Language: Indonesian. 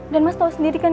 dan mas tau sendiri kan